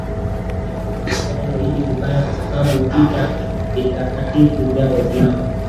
wengi wanasikia neno hilo vibaya kwa sababu vita vitakatifu vya Waislamu